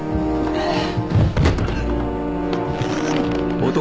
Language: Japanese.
うっ！